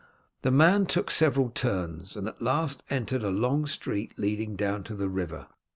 The man took several turns, and at last entered a long street leading down to the river.